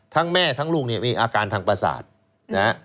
ทั้งแม่ทั้งลูกมีอาการทางประสาน